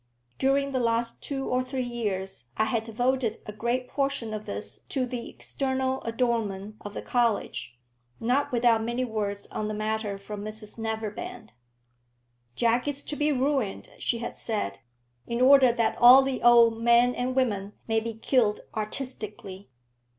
During the last two or three years I had devoted a great portion of this to the external adornment of the college, not without many words on the matter from Mrs Neverbend. "Jack is to be ruined," she had said, "in order that all the old men and women may be killed artistically."